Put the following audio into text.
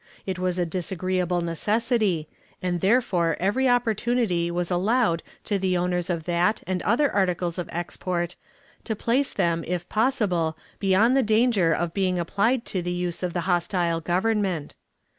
It was a disagreeable necessity, and therefore every opportunity was allowed to the owners of that and other articles of export to place them, if possible, beyond the danger of being applied to the use of the hostile Government.